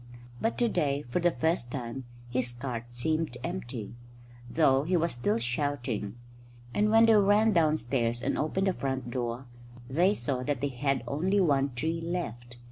But to day for the first time his cart seemed empty, though he was still shouting; and when they ran downstairs and opened the front door they saw that he had only one tree left.